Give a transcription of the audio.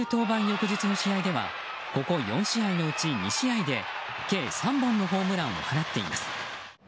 翌日の試合ではここ４試合のうち２試合で計３本のホームランを放っています。